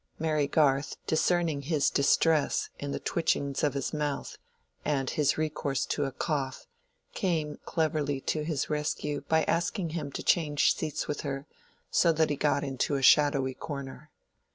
Mary Garth, discerning his distress in the twitchings of his mouth, and his recourse to a cough, came cleverly to his rescue by asking him to change seats with her, so that he got into a shadowy corner.